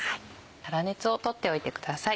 粗熱を取っておいてください。